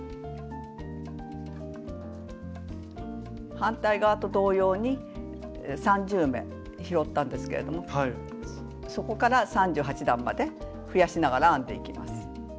反対側と同様に３０目拾ったんですけれどもそこから３８段まで増やしながら編んでいきます。